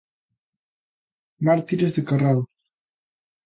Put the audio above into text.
Mártires de Carral.